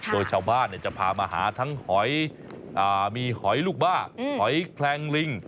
โดยชาวบ้านจะพามาหาทั้งหอยมีหอยลูกบ้าหอยแคลงลิง